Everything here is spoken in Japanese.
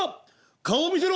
顔を見せろ」。